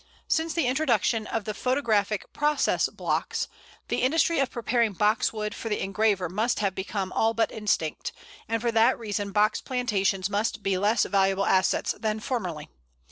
Since the introduction of the photographic "process" blocks, the industry of preparing Box wood for the engraver must have become all but extinct, and for that reason Box plantations must be less valuable assets than formerly.